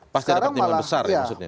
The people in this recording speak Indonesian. pasti ada pertimbangan besar ya maksudnya